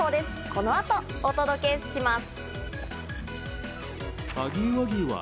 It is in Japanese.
この後、お届けします。